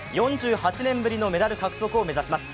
４８年ぶりのメダル獲得を目指します。